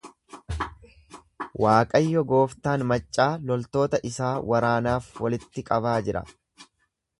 Waaqayyo gooftaan maccaa loltoota isaa waraanaaf walitti qabaa jira.